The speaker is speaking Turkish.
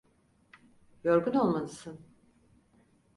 Yorgun olmalısın.